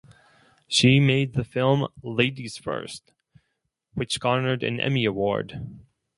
She made the film "Ladies First" which garnered an Emmy Award.